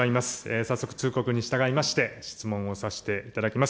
早速、通告に従いまして、質問をさせていただきます。